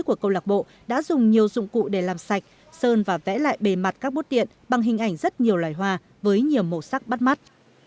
các họa sĩ của công lạc bộ đã dùng nhiều dụng cụ để làm sạch sơn và vẽ lại bề mặt các bốt điện bằng hình ảnh rất nhiều loài hoa với nhiều màu sắc bắt mắt